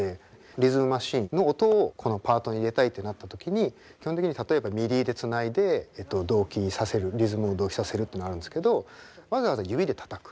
リズムマシンの音をこのパートに入れたいってなった時に基本的に例えばＭＩＤＩでつないで同期させるリズムを同期させるっていうのがあるんですけどわざわざ指でたたく。